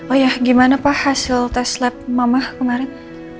oh ya gimana pak hasil tes lab mamah kemarin